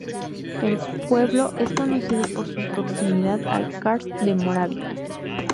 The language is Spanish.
El pueblo es conocido por su proximidad al karst de Moravia.